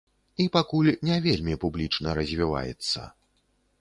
І пакуль не вельмі публічна развіваецца.